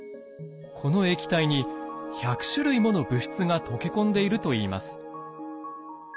この液体に１００種類もの物質が溶け込んでいるといいます。